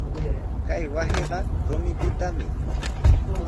Kay wasiqa rumipitami.